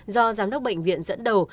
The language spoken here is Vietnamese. do giám đốc bệnh viện dẫn đầu